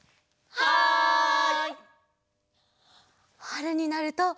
はい！